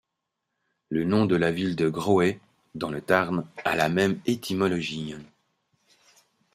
Le nom de la ville de Graulhet dans le Tarn a la même étymologie.